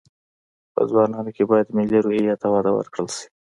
په ځوانانو کې باید ملي روحي ته وده ورکړل شي